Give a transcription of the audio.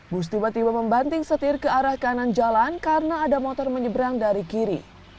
bus tiba tiba membanting setir ke arah kanan jalan karena ada motor menyeberang dari kiri